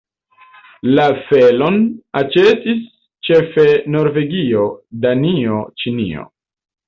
La felon aĉetas ĉefe Norvegio, Danio, Ĉinio.